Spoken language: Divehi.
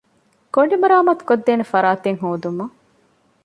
ގޮނޑި މަރާމާތުކޮށްދޭނެ ފަރާތެއް ހޯދުމަށް